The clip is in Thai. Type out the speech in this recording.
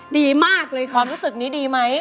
ดีมากเลยครับ